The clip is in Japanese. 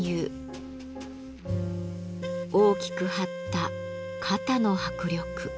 大きく張った肩の迫力。